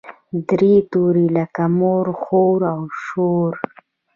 درې توري لکه مور، خور او شور.